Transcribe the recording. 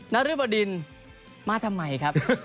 นรึบดินมาทำไมครับ